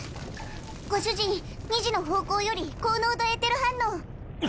ご主人２時の方向より高濃度エーテル反応！